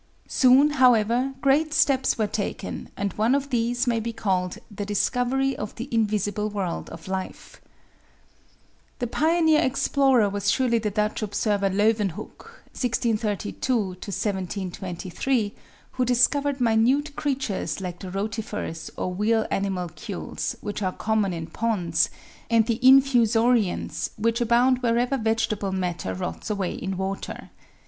Soon, however, great steps were taken, and one of these may be called the discovery of the invisible world of life. The pioneer 300 The Outline of Science explorer was surely the Dutch observer Leeuwenhoek (1632* 1723), who discovered minute creatures like the Rotifers or Wheel Animalcules which are common in ponds, and the Infusori ans which abound wherever vegetable matter rots away in water.